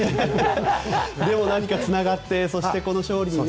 でも何かつながってそしてこの勝利に。